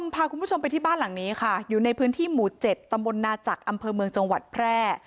พาคุณผู้ชมไปที่บ้านหลังนี้ค่ะอยู่ในพื้นที่หมู่๗ตำบลนาจักรอำเภอเมืองจังหวัดแพร่